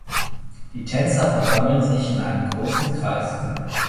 Die Tänzer versammeln sich in einem großen Kreis.